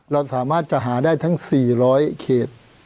เราสามารถจะหาได้ทั้ง๔๐๐เขต